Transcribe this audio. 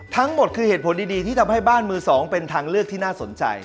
ทั้งหมดคือเหตุผลดีที่ทำให้บ้านมือสองเป็นทางเลือกที่น่าสนใจ